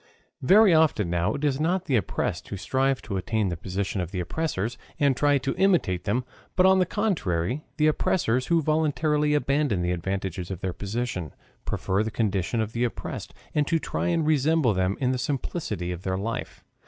Very often now it is not the oppressed who strive to attain the position of the oppressors, and try to imitate them, but on the contrary the oppressors who voluntarily abandon the advantages of their position, prefer the condition of the oppressed, and try to resemble them in the simplicity of their life.